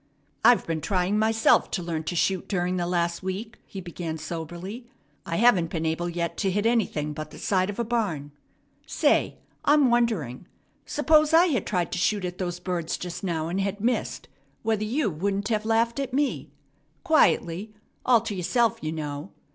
"I've been trying myself to learn to shoot during the last week," he began soberly. "I haven't been able yet to hit anything but the side of a barn. Say, I'm wondering, suppose I had tried to shoot at those birds just now and had missed, whether you wouldn't have laughed at me quietly, all to yourself, you know.